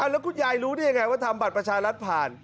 แล้วคุณยายรู้ได้ยังไงว่าทำบัตรประชารัฐผ่าน